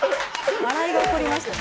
笑いが起こりましたね。